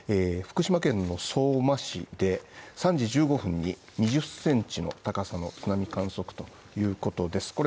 福島県の相馬市で３５分に２０センチの高さの津波観測といういうことです